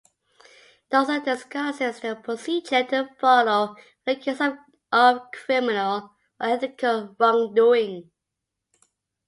It also discusses the procedure to follow when accused of criminal or ethical wrongdoing.